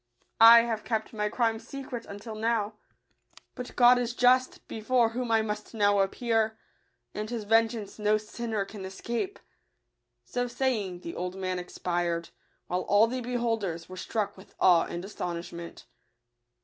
I have kept my crime secret until now ; but God is just, be 94 fore whom I must now appear, and his ven geance no sinner can escape." So saying, the old man expired ; while all the beholders were struck with awe and astonishment.